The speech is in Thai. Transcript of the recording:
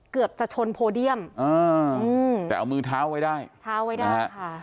เกือบจะชนโพเดียมอ่าแต่เอามือเท้าไว้ได้เท้าไว้ได้ค่ะ